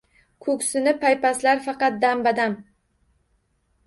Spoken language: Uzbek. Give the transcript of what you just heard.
Ko’ksini paypaslar faqat damba-dam